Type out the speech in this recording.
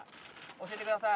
教えてください。